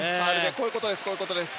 こういうことです。